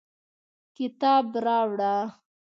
کتاب راوړه